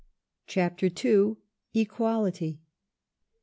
CHAPTER 11. Equality.